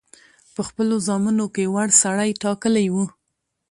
په خپلو زامنو کې وړ سړی ټاکلی وو.